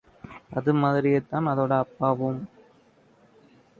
அது மாதிரியேதான் அதோட அப்பாவும்...!